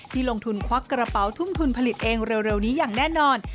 ลงทุนควักกระเป๋าทุ่มทุนผลิตเองเร็วนี้อย่างแน่นอน